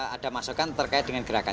ada masukan terkait dengan gerakan